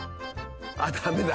あっダメだ。